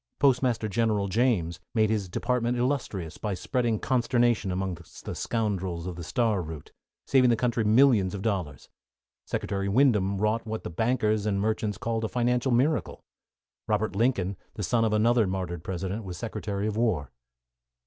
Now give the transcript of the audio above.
Postmaster General James made his department illustrious by spreading consternation among the scoundrels of the Star Route, saving the country millions of dollars. Secretary Windom wrought what the bankers and merchants called a financial miracle. Robert Lincoln, the son of another martyred President, was Secretary of War.